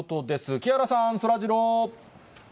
木原さん、そらジロー。